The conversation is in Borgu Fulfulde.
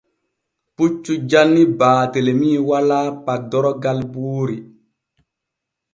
Puccu janni Baatelemi walaa paddorgal buuri.